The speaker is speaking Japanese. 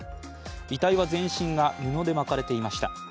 遺体は全身が布で巻かれていました。